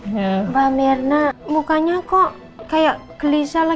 mbak mirna mukanya kok kayak gelisah lah